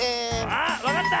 あっわかった！